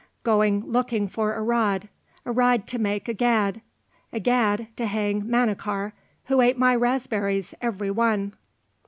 "Going looking for a rod, a rod to make a gad, a gad to hang Manachar, who ate my raspberries every one."